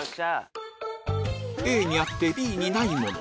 ＡにあってＢにないもの